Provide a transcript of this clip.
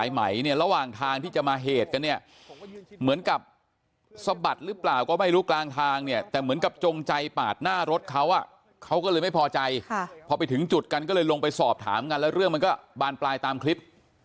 เหมือนกับสบัดหรือเปล่าก็ไม่รู้กลางทางเนี่ยแต่เหมือนกับจงใจปาดหน้ารถเขาอ่ะเขาก็เลยไม่พอใจค่ะพอไปถึงจุดกันก็เลยลงไปสอบถามกันแล้วเรื่องมันก็บานปลายตามคลิป